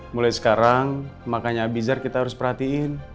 mulai sekarang makanya abizar kita harus perhatiin